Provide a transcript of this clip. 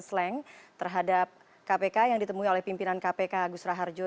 saya belum seperti itu belum tahu